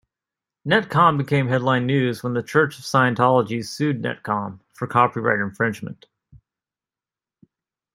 Netcom became headline news when the Church of Scientology sued Netcom for copyright infringement.